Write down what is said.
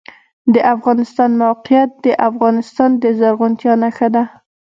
د افغانستان موقعیت د افغانستان د زرغونتیا نښه ده.